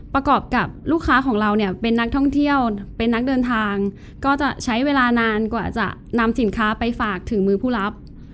ประกอบกับลูกค้าของเราเนี่ยเป็นนักท่องเที่ยวเป็นนักเดินทางก็จะใช้เวลานานกว่าจะนำสินค้าไปฝากถึงมือผู้รับ